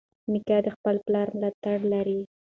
میکا د خپل پلار ملاتړ لري.